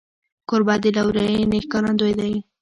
کوربه د لورینې ښکارندوی وي.